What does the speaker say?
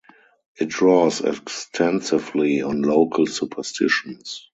It draws extensively on local superstitions.